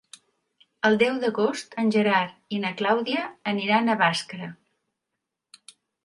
El deu d'agost en Gerard i na Clàudia aniran a Bàscara.